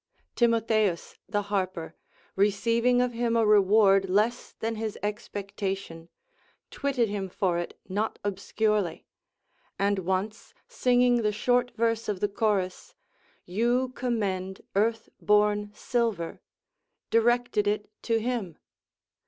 Timotheus the harper, receiving of him a reward less than his expectation, twitted him for it not obscurely ; and once singing the short verse of the chorus. You commend earth born silver, directed it to him.